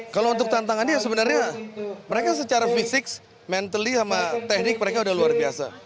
kalau untuk tantangannya sebenarnya mereka secara fisik mentali sama teknik mereka sudah luar biasa